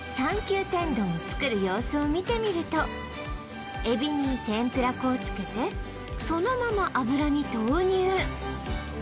天丼を作る様子を見てみると海老に天ぷら粉をつけてそのまま油に投入！